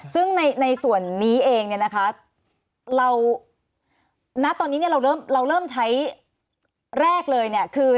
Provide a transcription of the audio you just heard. ซึ่งในส่วนนี้เองเนี่ยนะคะเราณตอนนี้เนี่ยเราเริ่มใช้แรกเลยเนี่ยคือ